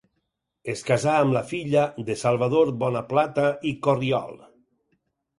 Es casà amb la filla de Salvador Bonaplata i Corriol.